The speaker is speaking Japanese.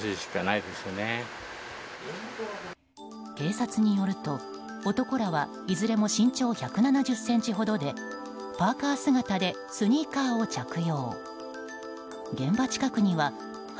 警察によると、男らはいずれも身長１７０ｃｍほどでパーカ姿でスニーカーを着用。